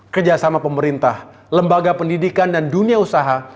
kerjasama pemerintah lembaga pendidikan dan dunia usaha